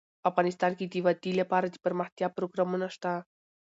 افغانستان کې د وادي لپاره دپرمختیا پروګرامونه شته.